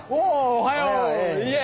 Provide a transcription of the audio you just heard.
おはよう。